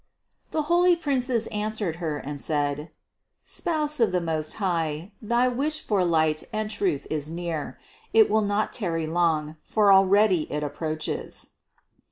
The holy princes answered Her and said: "Spouse of the Most High, thy wished for light and truth is near; it will not tarry long, for already it ap proaches."